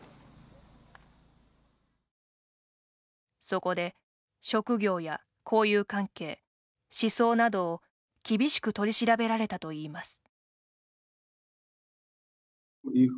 そこで職業や交友関係、思想などを厳しく取り調べられたといいます。